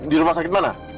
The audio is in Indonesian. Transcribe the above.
di rumah sakit mana